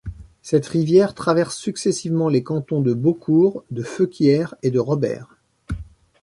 Cette rivière traverse successivement les cantons de Beaucours, de Feuquières et de Robert.